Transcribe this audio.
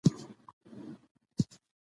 شفاف عمل د باور فضا رامنځته کوي.